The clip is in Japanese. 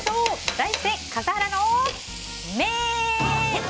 題して、笠原の眼！